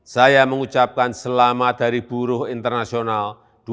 saya mengucapkan selamat dari buruh internasional dua ribu dua puluh